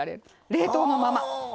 冷凍のまま。